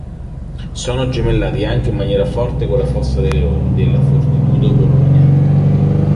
Sono gemellati anche in maniera forte con la Fossa dei Leoni della Fortitudo Bologna.